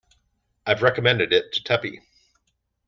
I've recommended it to Tuppy.